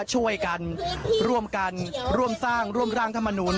ช่วยกันร่วมกันร่วมสร้างร่วมร่างธรรมนูล